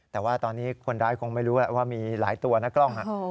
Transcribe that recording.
แต่ว่าตอนนี้คนร้ายคงไม่รู้ว่ามีหลายตัวนะกล้อง